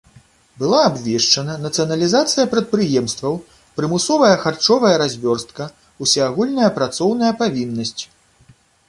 Была абвешчана нацыяналізацыя прадпрыемстваў, прымусовая харчовая развёрстка, усеагульная працоўная павіннасць.